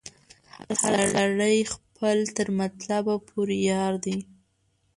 هر سړی خپل تر مطلبه پوري یار دی